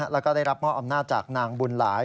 แล้วก็ได้รับมอบอำนาจจากนางบุญหลาย